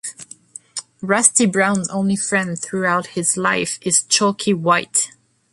Rusty Brown's only friend throughout his life is Chalky White.